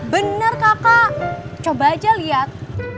bener kakak coba aja liat